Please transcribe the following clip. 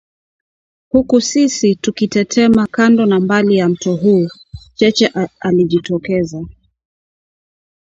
Huku sisi tukitetema kando na mbali ya mto huu, Cheche alijitokeza